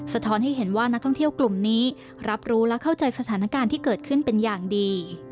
ท้อนให้เห็นว่านักท่องเที่ยวกลุ่มนี้รับรู้และเข้าใจสถานการณ์ที่เกิดขึ้นเป็นอย่างดี